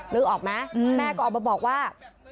นึกออกไหมแม่ก็ออกมาบอกว่า